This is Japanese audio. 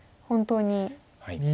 本当に。